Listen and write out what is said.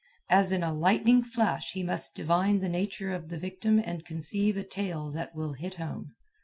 As in a lightning flash he must divine the nature of the victim and conceive a tale that will hit home.